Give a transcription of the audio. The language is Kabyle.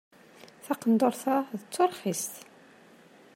Taqendurt-a d turxist.